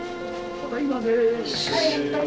ただいまです。